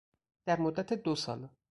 در مدت دو سال